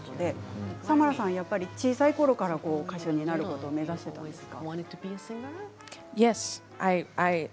サマラさんは小さいころから歌手になることを目指していたんですか？